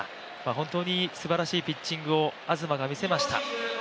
本当にすばらしいピッチングを東が見せました。